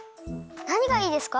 なにがいいですか？